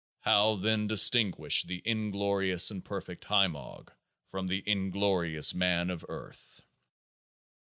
How then distinguish the inglorious and per fect HIMOG from the inglorious man of earth?